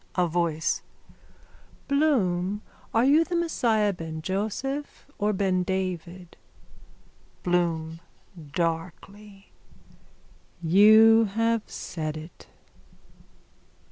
_ A VOICE: Bloom, are you the Messiah ben Joseph or ben David? BLOOM: (Darkly.) You have said it.